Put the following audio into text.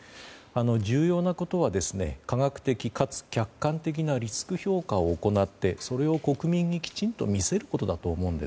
重要なことは、科学的かつ客観的なリスク評価を行ってそれを国民に、きちんと見せることだと思うんです。